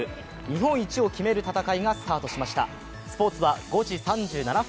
日本一を決める戦いがスタートしました。